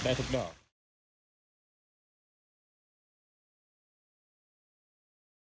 เกินไปนะ